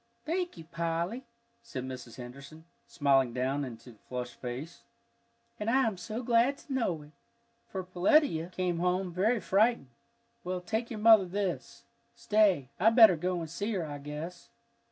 "Thank you, Polly," said Mrs. Henderson, smiling down into the flushed face. "And I am so glad to know it, for Peletiah came home very frightened. Well, take your mother this. Stay, I better go and see her, I guess."